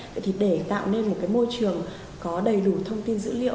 vậy thì để tạo nên một cái môi trường có đầy đủ thông tin dữ liệu